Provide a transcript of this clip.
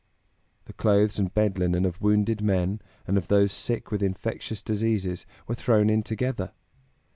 The clothes and bed linen of wounded men and of those sick with infectious diseases were thrown in together.